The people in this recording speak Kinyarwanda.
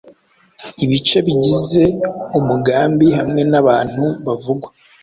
ibice bigize umugambihamwe nabantu bavugwa